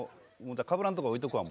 かぶらんとこ置いとくわ。